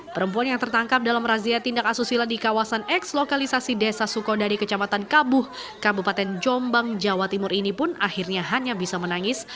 perempuan yang tertangkap dalam razia tindak asusila di kawasan eks lokalisasi desa sukodadi kecamatan kabuh kabupaten jombang jawa timur ini pun akhirnya hanya bisa menangis